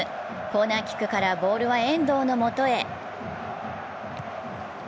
コーナーキックからボールは遠藤の元へ。